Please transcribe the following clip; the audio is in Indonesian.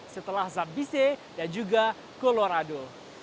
setelah zambise dan juga colorado